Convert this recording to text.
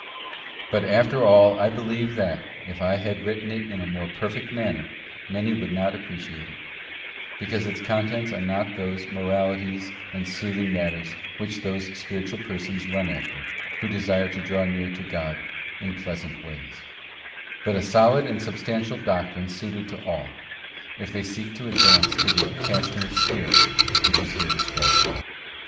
But after all I believe that, if I had written it in a more perfect manner, many would not appreciate it, because its ; contents are not those moralities and soothing matters which those spiritual persons run after who desire to draw near to God in pleasant ways, but a solid and substantial doctrine suited to all, if they seek to advance to that detachment of spirit which is here described.